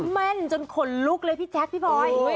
แม่นจนขนลุกเลยพี่แจ๊คพี่บอย